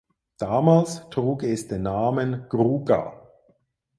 Damals trug es den Namen "Gruga".